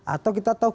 atau kita tahu